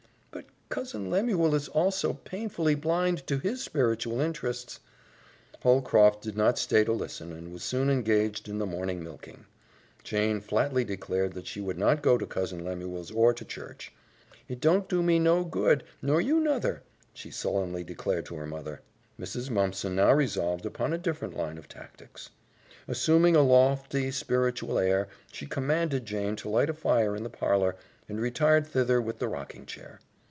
"But Cousin Lemuel is also painfully blind to his spiritual interests " Holcroft did not stay to listen and was soon engaged in the morning milking. Jane flatly declared that she would not go to Cousin Lemuel's or to church. "It don't do me no good, nor you, nuther," she sullenly declared to her mother. Mrs. Mumpson now resolved upon a different line of tactics. Assuming a lofty, spiritual air, she commanded Jane to light a fire in the parlor, and retired thither with the rocking chair.